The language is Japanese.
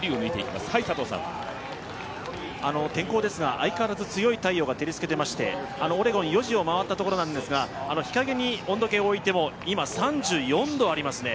天候ですが、相変わらず強い太陽が照りつけていましてオレゴン、４時を回ったところなんですが日陰に温度計を置いても今３４度ありますね。